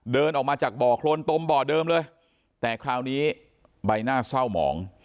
เดินออกมาจากบ่อโครนตมบ่อเดิมเลยแต่คราวนี้ใบหน้าเศร้าหมอง